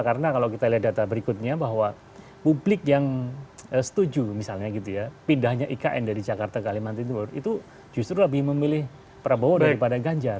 karena kalau kita lihat data berikutnya bahwa publik yang setuju misalnya gitu ya pindahnya ikn dari jakarta kalimantan itu justru lebih memilih prabowo daripada ganjar